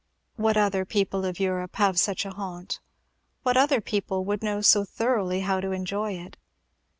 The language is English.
What other people of Europe have such a haunt? what other people would know so thoroughly how to enjoy it?